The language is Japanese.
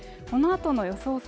このあとの予想